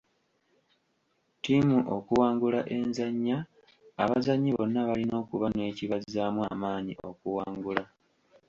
Ttiimu okuwangula enzannya, abazannyi bonna balina okuba n'ekibazzaamu amaanyi okuwangula.